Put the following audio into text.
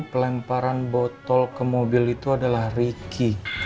pelemparan botol ke mobil itu adalah ricky